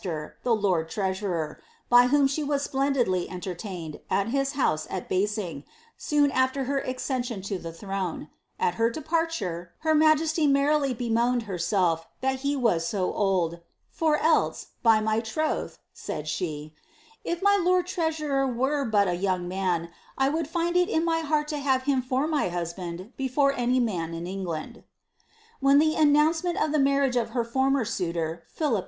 manner, towards her former cruel foe Panlet, nuunqob of Wiaeberteiyiht lord treasurer, by whom she was splendidly entertained, at hk honae at Basing, soon after her accenion to the throne ; at her departure^ hm majesty merrily bemoaned herself that he was so old, ^ for else, by ■gr troth," said she, ^ if my lord treasurer were but a young man, 1 eoaU find it in my heart to have' him for my husband before any man is England." ' When the announcement of the marriage of her former suitor, PluBp II.